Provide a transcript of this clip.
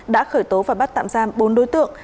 đã khởi tố và bắt tạm giam bốn đối tượng